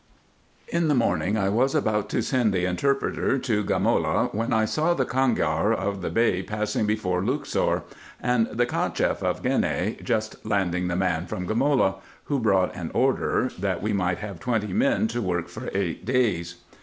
In the morning I was about to send the interpreter to Gamola, when we saw the cangiar of the Bey passing before Luxor, and the Cacheff of Gheneh just landing the man from Gamola, who brought an order, that we might have twenty men to work for eight days.